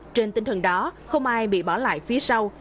trên tinh thần đó không ai bị bỏ lại phía sau